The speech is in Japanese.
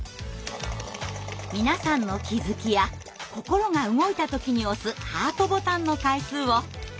皆さんの気づきや心が動いたときに押すハートボタンの回数をカウントします。